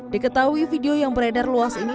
diketahui video yang beredar luas ini